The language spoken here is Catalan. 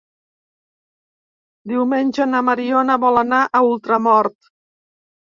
Diumenge na Mariona vol anar a Ultramort.